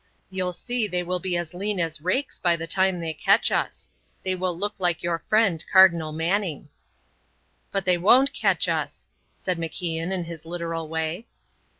You'll see they will be as lean as rakes by the time they catch us. They will look like your friend, Cardinal Manning." "But they won't catch us," said MacIan, in his literal way.